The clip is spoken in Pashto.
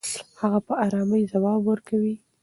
هغه په ارامۍ ځواب ورکوي.